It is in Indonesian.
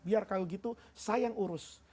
biar kalau gitu saya yang urus